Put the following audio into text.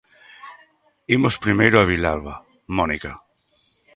Imos primeiro a Vilalba, Mónica.